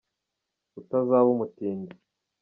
Utazaba umutindi.